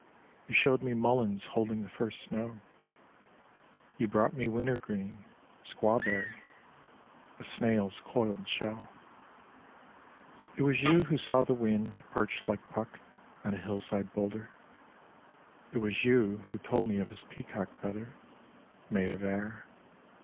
You showed me mulleins holding the first snow : You brought me wintergreen ... squaw berry ... A snail's coiled shell ... It was you who saw the wind Perched like Puck On a hillside boulder. It was you who told me of his peacock feather Made of air.